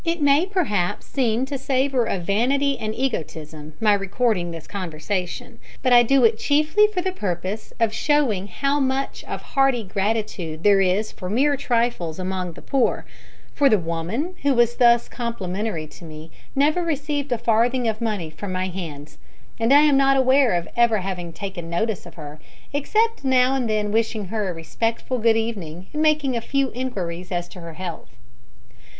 It may perhaps seem to savour of vanity and egotism my recording this conversation, but I do it chiefly for the purpose of showing how much of hearty gratitude there is for mere trifles among the poor, for the woman who was thus complimentary to me never received a farthing of money from my hands, and I am not aware of having ever taken any notice of her, except now and then wishing her a respectful good evening, and making a few inquiries as to her health.